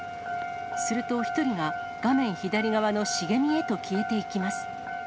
すると、１人が画面左側の茂みへと消えていきます。